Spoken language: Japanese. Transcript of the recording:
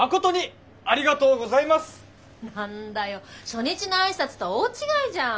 何だよ初日の挨拶とは大違いじゃん。